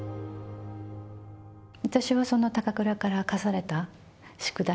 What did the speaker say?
私はその高倉から課された宿題。